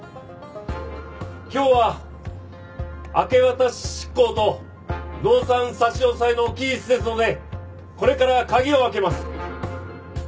今日は明け渡し執行と動産差し押さえの期日ですのでこれから鍵を開けます。